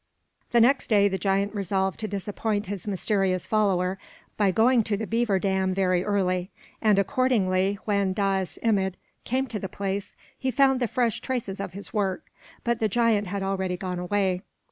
The next day the giant resolved to disappoint his mysterious follower by going to the beaver dam very early; and accordingly, when Dais Imid came to the place, he found the fresh traces of his work, but the giant had already gone away.